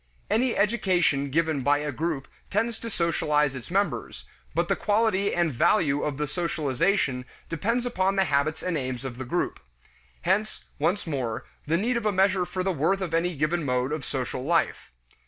Any education given by a group tends to socialize its members, but the quality and value of the socialization depends upon the habits and aims of the group. Hence, once more, the need of a measure for the worth of any given mode of social life.